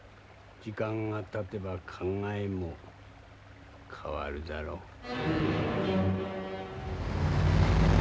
時間がたてば考えも変わるだろう。